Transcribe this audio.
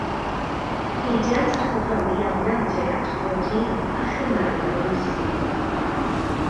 Peidiant â chyfrannu arian tuag at godi a chynnal yr eglwysi.